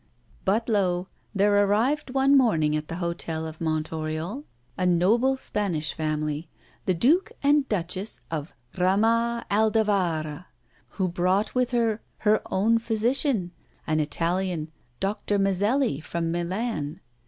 But lo! there arrived one morning at the hotel of Mont Oriol a noble Spanish family, the Duke and Duchess of Ramas Aldavarra, who brought with her her own physician, an Italian, Doctor Mazelli from Milan.